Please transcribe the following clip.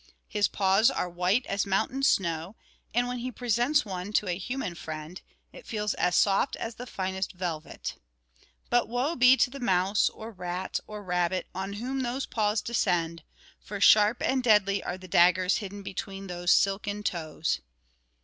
His paws are white as mountain snow; and when he presents one to a human friend, it feels as soft as the finest velvet. But woe be to the mouse, or rat, or rabbit, on whom those paws descend, for sharp and deadly are the daggers hidden between those silken toes.